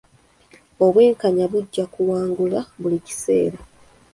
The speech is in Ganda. Obwenkanya bujja kuwangula buli kiseera.